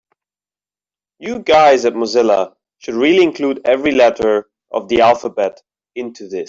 You guys at Mozilla should really include every letter of the alphabet into this.